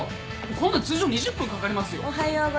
こんなん通常２０分かかりますよ。